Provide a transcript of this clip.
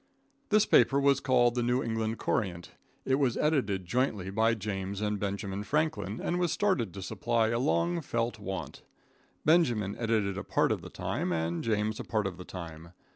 This paper was called the New England Courant. It was edited jointly by James and Benjamin Franklin, and was started to supply a long felt want. Benjamin edited a part of the time and James a part of the time.